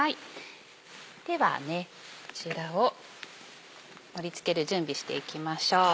ではこちらを盛り付ける準備していきましょう。